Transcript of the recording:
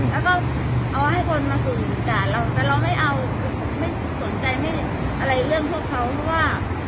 อืมแล้วก็เอาให้คนมาถึงสินค้าเราแต่เราไม่เอาไม่สนใจให้อะไรเรื่องพวกเขาหรือว่า